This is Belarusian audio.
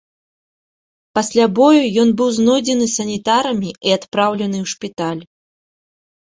Пасля бою ён быў знойдзены санітарамі і адпраўлены ў шпіталь.